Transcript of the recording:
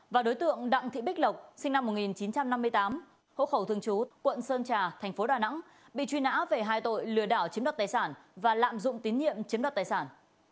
và đối tượng đặng thị bích lộc sinh năm một nghìn chín trăm năm mươi tám hộ khẩu thường trú quận sơn trà thành phố đà nẵng bị truy nã về hai tội lừa đảo chiếm đoạt tài sản và lạm dụng tín nhiệm chiếm đoạt tài sản